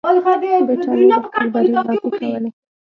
برټانیې د خپل بری لاپې کولې.